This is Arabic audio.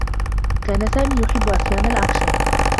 كان سامي يحبّ أفلام الأكشن.